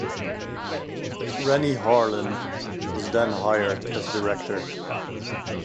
Renny Harlin was then hired as director.